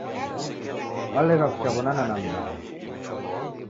Walegha kuchaw'onana na mbaha.